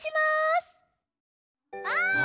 あ！